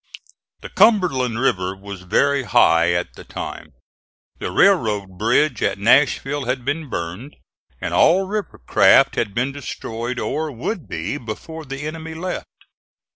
The Cumberland River was very high at the time; the railroad bridge at Nashville had been burned, and all river craft had been destroyed, or would be before the enemy left.